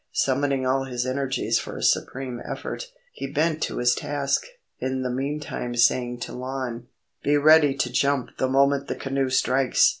Summoning all his energies for a supreme effort, he bent to his task, in the meantime saying to Lon,— "Be ready to jump the moment the canoe strikes."